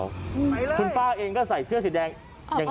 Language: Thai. คุณป้าเองก็ใส่เสื้อสีแดง